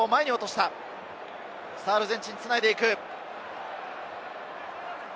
アルゼンチン繋いでいく。